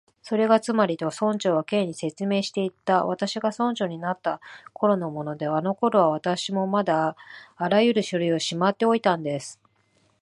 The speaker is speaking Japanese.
「それがつまり」と、村長は Ｋ に説明していった「私が村長になったころのもので、あのころは私もまだあらゆる書類をしまっておいたんです」